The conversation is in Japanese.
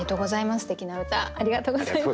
すてきな歌ありがとうございます。